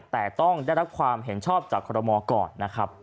แต่ต้องได้รับความเห็นชอบจากฮก่อน